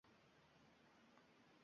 Bolalarning daragi bilan